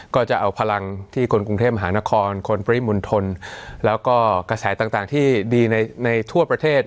ก็จะเอาพลังที่คนกรุงเทพมหานครคนปริมณฑลแล้วก็กระแสต่างที่ดีในทั่วประเทศ